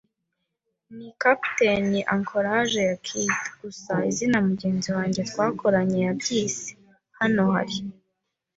ni: 'Capt. Anchorage ya Kidd '- gusa izina mugenzi wanjye twakoranye yabyise. Hano hari